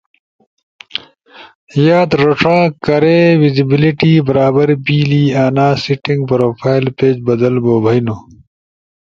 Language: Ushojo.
یاد رݜا: کارے ویسیبیلیٹی برابر بیلی، انا سیٹینگ پروفائل پیج بدل بو بھئینو